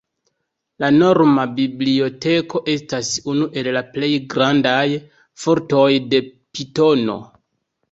La norma biblioteko estas unu el la plej grandaj fortoj de Pitono.